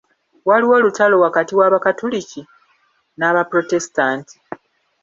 Waaliwo olutalo wakati w'Abakatoliki n'Abaprotestanti.